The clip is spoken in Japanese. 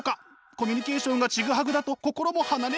コミュニケーションがちぐはぐだと心も離れる。